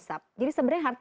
jangan anda takut